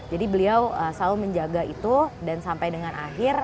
jadi beliau selalu menjaga itu dan sampai dengan akhir